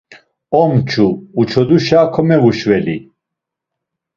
Omç̌u uçoduşa komevuşveli.